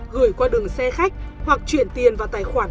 gửi qua đường xe khách hoặc chuyển tiền vào tài khoản